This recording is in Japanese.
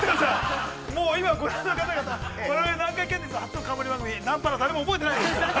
◆もう今、ご覧の方々、南海キャンディーズの初番組、誰も覚えてないです。